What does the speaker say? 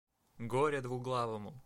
Горе двуглавому!